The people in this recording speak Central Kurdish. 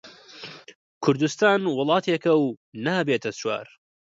کوردستان وڵاتێکە و نابێتە چوار